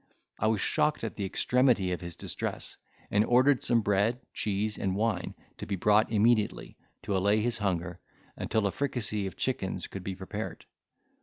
I was shocked at the extremity of his distress, and ordered some bread, cheese, and wine, to be brought immediately, to allay his hunger, until a fricassee of chickens could be prepared.